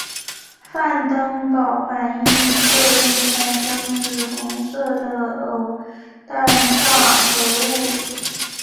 范登堡反应作用产生紫红色的偶氮化合物。